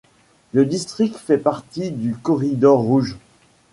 Le district fait partie du Corridor rouge.